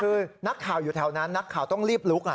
คือนักข่าวอยู่แถวนั้นนักข่าวต้องรีบลุก